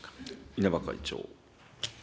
稲葉会長。